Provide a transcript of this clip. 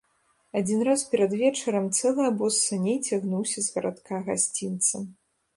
Адзін раз перад вечарам цэлы абоз саней цягнуўся з гарадка гасцінцам.